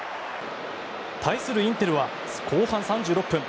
対するインテルは後半３６分。